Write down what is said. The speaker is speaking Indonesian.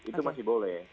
itu masih boleh